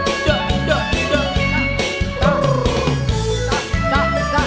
รู้ว่าเหนื่อยแค่ไหนว่านักแค่ไหนบ่นหมดทางสู้